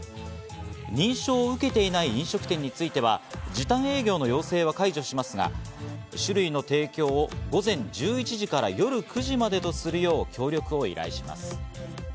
認証を受けていない飲食店については時短営業の要請は解除しますが、酒類の提供を午前１１時から夜９時までとするよう協力を依頼します。